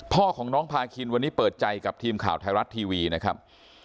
พ่อของน้องพาคินวันนี้เปิดใจกับทีมข่าวไทยรัฐทีวีนะครับ